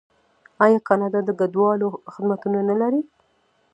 آیا کاناډا د کډوالو خدمتونه نلري؟